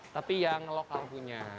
tapi yang lokal punya